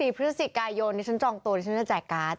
๒๔พฤศจิกายนนี่ฉันจองตัวนี่ฉันจะแจกการ์ด